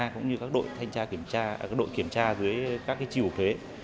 cũng như các đội kiểm tra dưới các chiều thuế